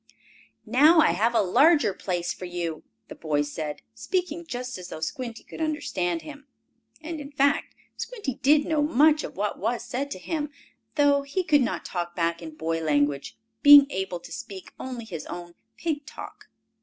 "Now I have a larger place for you," the boy said, speaking just as though Squinty could understand him. And, in fact, Squinty did know much of what was said to him, though he could not talk back in boy language, being able to speak only his own pig talk.